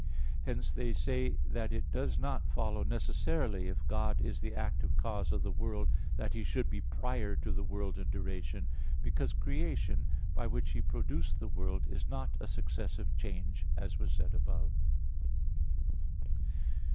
Hence they say that it does not follow necessarily if God is the active cause of the world, that He should be prior to the world in duration; because creation, by which He produced the world, is not a successive change, as was said above (Q.